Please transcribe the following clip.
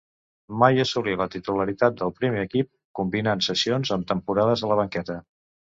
Mai assolí la titularitat del primer equip, combinant cessions amb temporades a la banqueta.